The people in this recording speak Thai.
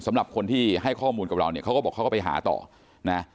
สำหรับคนที่ให้ข้อมูลกับเราเนี่ยเขาก็บอกเขาก็ไปหาต่อนะ